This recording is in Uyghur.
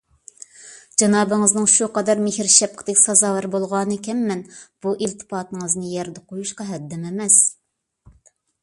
جانابىڭىزنىڭ شۇ قەدەر مېھىر - شەپقىتىگە سازاۋەر بولغانىكەنمەن، بۇ ئىلتىپاتىڭىزنى يەردە قويۇشقا ھەددىم ئەمەس.